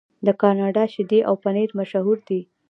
د کاناډا شیدې او پنیر مشهور دي.